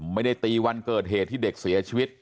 ไม่ได้ตีวันเกิดเหตุที่เด็กเสียชีวิต